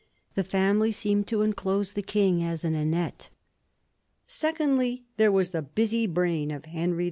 The family seemed to enclose the king as in a net. Secondly, there was the busy brain of Henry II.